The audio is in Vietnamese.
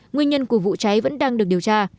nguyên nhân của vụ cháy vẫn đang được điều tra